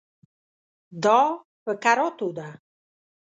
دا په کراتو ده.